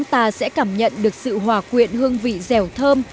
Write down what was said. ta sẽ cảm nhận được sự hòa quyện hương vị dẻo thơm